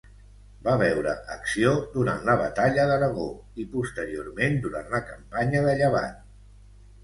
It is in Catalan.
Va veure acció durant la batalla d'Aragó i, posteriorment, durant la campanya de Llevant.